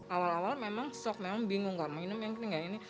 awal awal memang sok memang bingung gak mau minum yang ini nggak ini